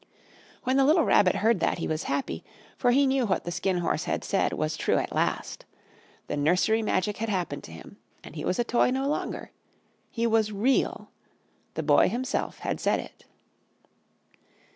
When the little Rabbit heard that he was happy, for he knew that what the Skin Horse had said was true at last. The nursery magic had happened to him, and he was a toy no longer. He was Real. The Boy himself had said it.